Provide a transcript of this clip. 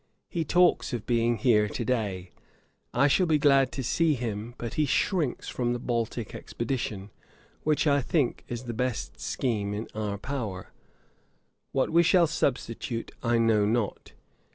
He talks of being here to day: I shall be glad to see him: but he shrinks from the Baltick expedition, which, I think, is the best scheme in our power: what we shall substitute I know not.